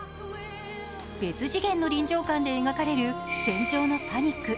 別次元の臨場感で描かれる船上のパニック。